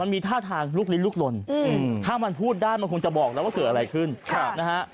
มีท่าทางลุกลิ้นลุกลนถ้ามันพูดได้มันคงจะบอกแล้วว่าเกิดอะไรขึ้นนะฮะ